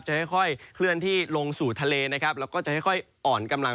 ค่อยเคลื่อนที่ลงสู่ทะเลนะครับแล้วก็จะค่อยอ่อนกำลัง